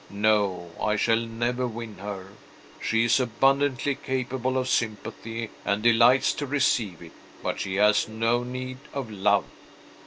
No; I shall never win her. She is abundantly capable of sympathy, and delights to receive it, but she has no need of love."